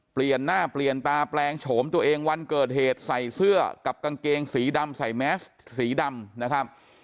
เปลี่ยนหน้าเปลี่ยนตาแปลงโฉมตัวเองวันเกิดเหตุใส่เสื้อกับกางเกงสีดำใส่แมสสีดำนะครับ